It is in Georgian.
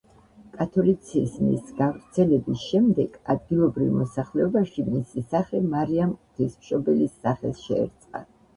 კათოლიციზმის გავრცელების შემდეგ ადგილობრივ მოსახლეობაში მისი სახე მარიამ ღვთისმშობელის სახეს შეერწყა.